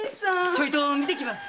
ちょいと見てきます。